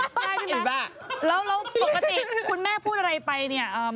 ใช่ใช่ไหมแล้วปกติคุณแม่พูดอะไรไปเนี่ย